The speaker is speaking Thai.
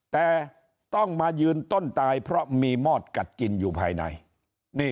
แต่ต้องมายืนต้นตายเพราะมีมอดกัดกินอยู่ภายใน